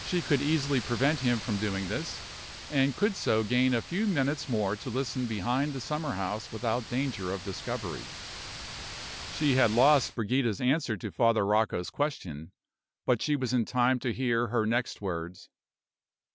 She could easily prevent him from doing this, and could so gain a few minutes more to listen behind the summer house without danger of discovery. She had lost Brigida's answer to Father Rocco's question; but she was in time to hear her next words.